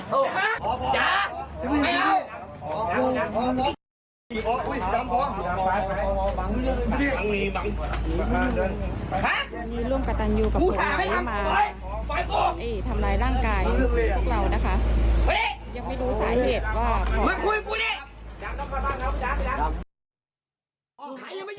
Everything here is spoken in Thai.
เล้วเข้าไปเผาแล้ว